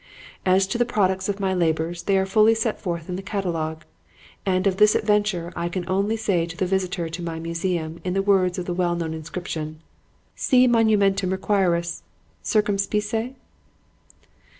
As to the products of my labors, they are fully set forth in the catalogue; and of this adventure I can only say to the visitor to my museum in the words of the well known inscription, 'Si monumentum requiris, circumspice'."